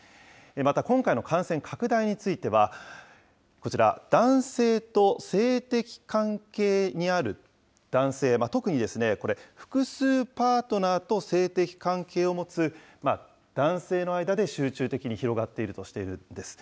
また、今回の感染拡大については、こちら、男性と性的関係にある男性、特にこれ、複数パートナーと性的関係を持つ男性の間で集中的に広がっているとしているんです。